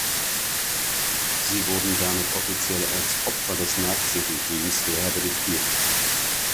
Sie wurden damit offiziell als Opfer des Nazi-Regimes rehabilitiert.